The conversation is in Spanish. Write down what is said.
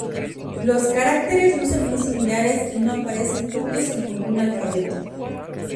Los caracteres lucen muy similares y no aparecen juntos en ningún alfabeto.